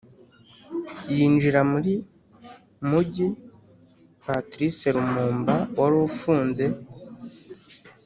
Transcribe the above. yinjira muri mujyi, patrice lumumba wari ufunze